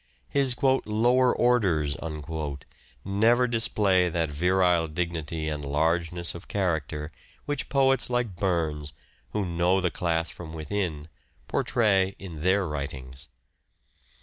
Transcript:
His " lower orders " never display that virile dignity and largeness of character which poets like Burns, who know the class from within, portray in their writings.